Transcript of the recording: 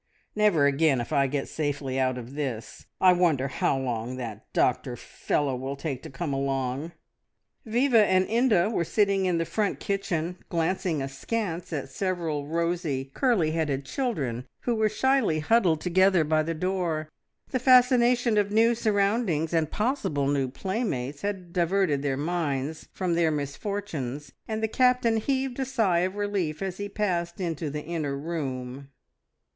Never again, if I get safely out of this! I wonder how long that doctor fellow will take to come along?" Viva and Inda were sitting in the front kitchen, glancing askance at several rosy, curly headed children who were shyly huddled together by the door. The fascination of new surroundings and possible new playmates had diverted their minds from their misfortunes, and the Captain heaved a sigh of relief as he passed into the inner room.